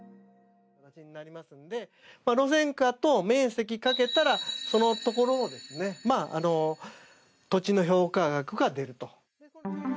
路線価と面積を掛けたらそのところの土地の評価額が出ると。